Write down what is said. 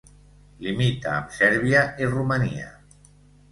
Limita amb Sèrbia i Romania.